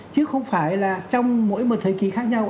chứ không phải là trong mỗi một thời kỳ khác nhau